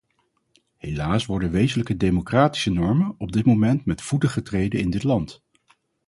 Helaas worden wezenlijke democratische normen op dit moment met voeten getreden in dit land.